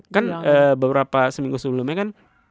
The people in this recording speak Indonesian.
kan beberapa seminggu sebelumnya kan